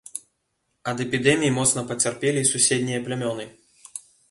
Ад эпідэміі моцна пацярпелі і суседнія плямёны.